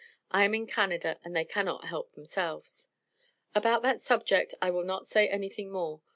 I am in Canada, and they cannot help themselves. About that subject I will not say anything more.